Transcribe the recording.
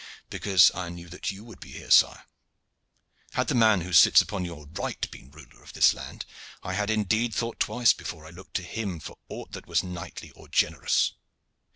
"Because I knew that you would be here, sire. Had the man who sits upon your right been ruler of this land, I had indeed thought twice before I looked to him for aught that was knightly or generous."